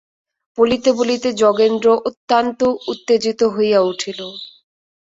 বলিতে বলিতে যোগেন্দ্র অত্যন্ত উত্তেজিত হইয়া উঠিল।